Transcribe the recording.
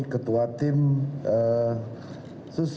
ketua tim sus